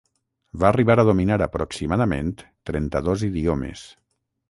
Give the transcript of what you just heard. Va arribar a dominar aproximadament trenta-dos idiomes.